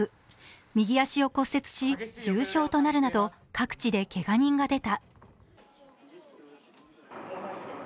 右足を骨折し、重傷となるなど各地でけが人が出た。